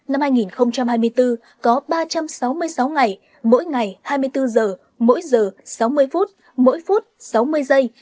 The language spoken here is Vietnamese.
năm hai nghìn hai mươi bốn có ba trăm sáu mươi sáu ngày mỗi ngày hai mươi bốn giờ mỗi giờ sáu mươi phút mỗi phút sáu mươi giây